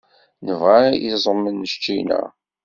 Nebɣa iẓem n ččina.